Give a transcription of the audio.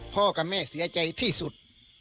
กับแม่เสียใจที่สุด